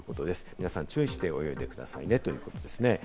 皆さん、注意して泳いでくださいねということです。